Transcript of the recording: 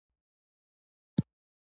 غټې ډبرې د وخت په تېرېدو سره سرک تخریبوي